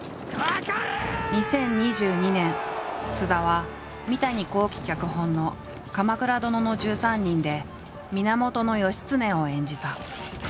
２０２２年菅田は三谷幸喜脚本の「鎌倉殿の１３人」で源義経を演じた。